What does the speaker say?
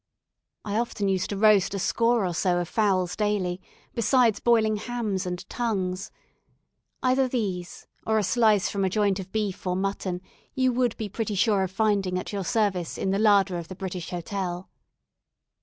I often used to roast a score or so of fowls daily, besides boiling hams and tongues. Either these or a slice from a joint of beef or mutton you would be pretty sure of finding at your service in the larder of the British Hotel.